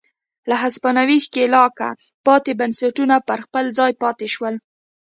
له هسپانوي ښکېلاکه پاتې بنسټونه پر خپل ځای پاتې شول.